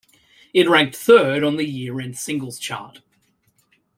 It ranked third on the year-end singles chart.